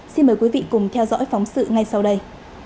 xin mời quý vị cùng theo dõi phóng sự ngay sau đây